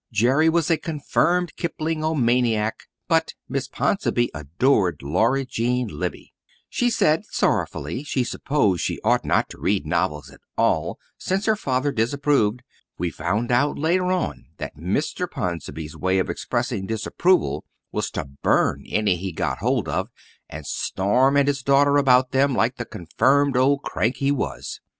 Jerry was a confirmed Kiplingomaniac, but Miss Ponsonby adored Laura Jean Libbey. She said sorrowfully she supposed she ought not to read novels at all since her father disapproved. We found out later on that Mr. Ponsonby's way of expressing disapproval was to burn any he got hold of, and storm at his daughter about them like the confirmed old crank he was.